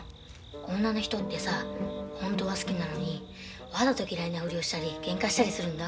女の人ってさ本当は好きなのにわざと嫌いなふりをしたりけんかしたりするんだ。